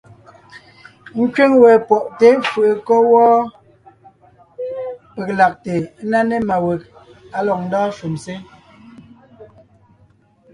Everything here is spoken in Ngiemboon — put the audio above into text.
Nkẅíŋ wé pwɔ́ʼte fʉʼʉ kɔ́ wɔ́ peg lagte ńná ne má weg á lɔg ndɔ́ɔn shúm sé.